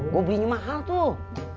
gue belinya mahal tuh